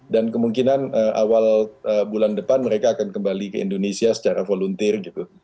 dan kemungkinan awal bulan depan mereka akan kembali ke indonesia secara volunteer gitu